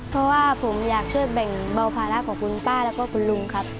เพราะว่าผมอยากช่วยแบ่งเบาภาระของคุณป้าแล้วก็คุณลุงครับ